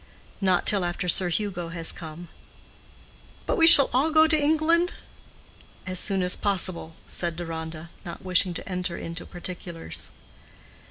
"Not till after Sir Hugo has come." "But we shall all go to England?" "As soon as possible," said Deronda, not wishing to enter into particulars.